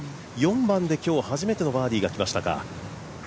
４番で今日、初めてのバーディーがきましたか。